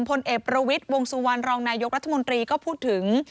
พลเอกประวิทย์วงสุวรรณรองนายกรัฐมนตรีก็พูดถึง